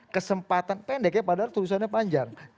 kesempatan pendek ya padahal tulisannya panjang